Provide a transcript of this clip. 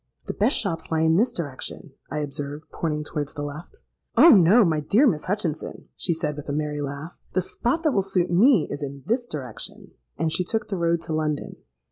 'The best shops lie in this direction,' I observed, pointing towards the left.—'Oh! no, my dear Miss Hutchinson,' she said, with a merry laugh: 'the spot that will suit me is in this direction;'—and she took the road to London.